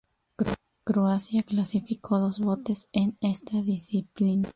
Croacia clasificó dos botes en esta disciplina.